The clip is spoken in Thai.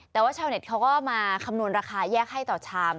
แต่ว่าชาวเน็ตเขาก็มาคำนวณราคาแยกให้ต่อชาม